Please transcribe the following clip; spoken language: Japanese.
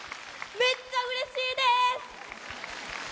めっちゃうれしいです！